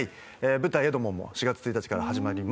舞台『エドモン』も４月１日から始まります。